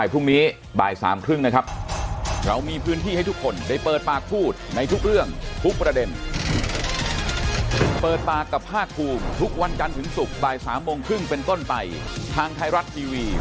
พบกันใหม่พรุ่งนี้บ่ายสามครึ่งนะครับ